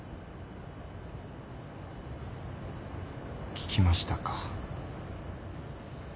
聞きましたか。